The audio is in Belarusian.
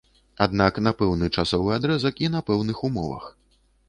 Аднак на пэўны часовы адрэзак і на пэўных умовах.